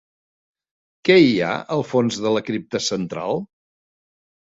Què hi ha al fons de la cripta central?